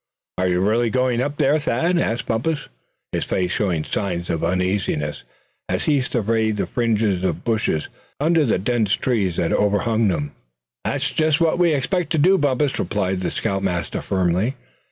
"Are you really going in there, Thad?" asked Bumpus, his face showing signs of uneasiness as he surveyed the fringe of bushes under the dense trees that overhung them. "That's just what we expect to do, Bumpus," replied the scout master, firmly.